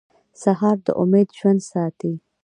سهار د امید ژوندی ساتي.